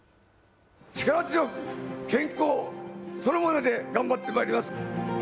力強く健康そのもので頑張ってまいります。